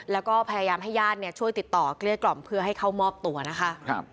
แล้วก็พยายามให้ญาติเนี่ยช่วยติดต่อเกลี้ยกล่อมเพื่อให้เข้ามอบตัวนะคะ